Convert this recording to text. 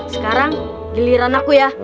sekarang giliran aku ya